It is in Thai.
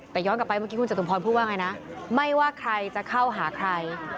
แต่ย้อนกลับไปเมื่อกี้คุณจตุพรพูดว่าไงนะไม่ว่าใครจะเข้าหาใคร